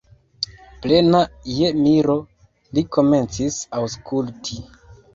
Plena je miro, li komencis aŭskulti.